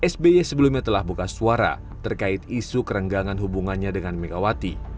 sby sebelumnya telah buka suara terkait isu kerenggangan hubungannya dengan megawati